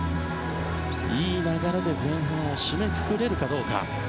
いい流れで前半を締めくくれるかどうか。